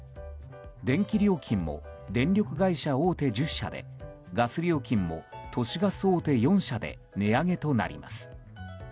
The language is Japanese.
電気料金も電力会社大手１０社でガス料金も都市ガス大手４社で値上げとなります。